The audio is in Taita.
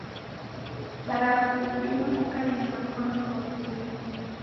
Barafu idima kukaia na fwana ighokie.